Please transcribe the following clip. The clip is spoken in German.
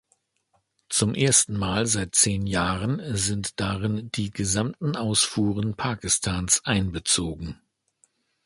Zum ersten Mal seit zehn Jahren sind darin die gesamten Ausfuhren Pakistans einbezogen.